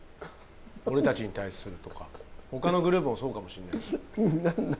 俺たちに対するとか他のグループもそうかもしんないけど何何？